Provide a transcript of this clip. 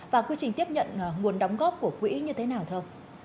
và quy trình tiếp nhận nguồn đóng góp của quỹ như thế nào thơ